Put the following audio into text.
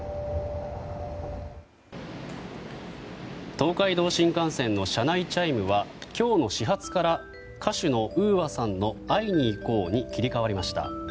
東海道新幹線の車内チャイムは今日の始発から歌手のＵＡさんの「会いにいこう」に切り替わりました。